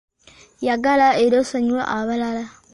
Yagala era osonyiwe abalala.